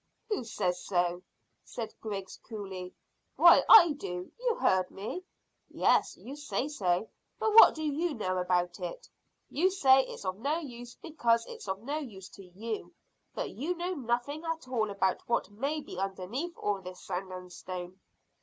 "Who says so?" said Griggs coolly. "Why, I do; you heard me." "Yes, you say so, but what do you know about it? You say it's of no use because it's of no use to you; but you know nothing at all about what may be underneath all this sand and stone."